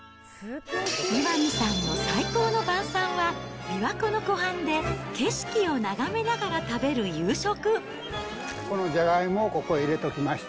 岩見さんの最高の晩さんは、琵琶湖の湖畔で景色を眺めながら食べる夕食。